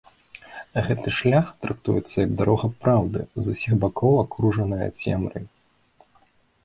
Гэты шлях трактуецца як дарога праўды, з усіх бакоў акружаная цемрай.